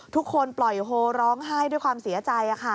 ทุกคนปล่อยโฮร้องไห้ด้วยความเสียใจ